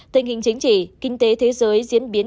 tình hình chính trị kinh tế thế giới diễn biến